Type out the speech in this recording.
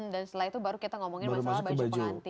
dan setelah itu baru kita ngomongin masalah baju pengantin